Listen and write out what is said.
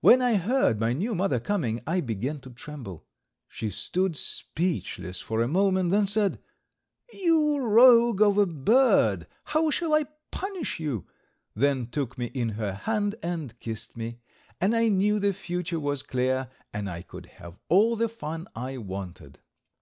When I heard my new mother coming I began to tremble. She stood speechless for a moment, then said: "You rogue of a bird; how shall I punish you?" Then took me in her hand and kissed me, and I knew the future was clear, and I could have all the fun I wanted.